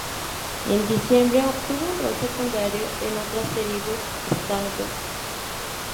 En diciembre, obtuvo un rol secundario en otra serie web, "Stardom".